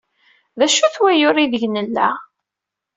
D acu-t wayyur aydeg nella?